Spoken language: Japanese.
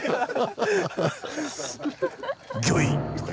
「御意」とか。